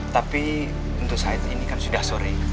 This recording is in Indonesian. tapi untuk saat ini kan sudah sore